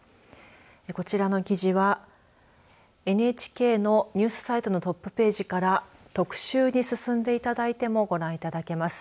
こちらの記事はＮＨＫのニュースサイトのトップページから特集に進んでいただいてもご覧いただけます。